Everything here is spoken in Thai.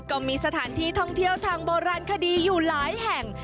ก็มีสถานที่ท่องเที่ยวทางโบราณคดีอยู่หลายแห่ง